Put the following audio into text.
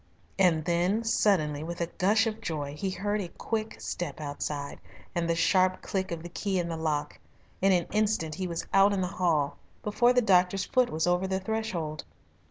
And then, suddenly, with a gush of joy he heard a quick step outside, and the sharp click of the key in the lock. In an instant he was out in the hall, before the doctor's foot was over the threshold.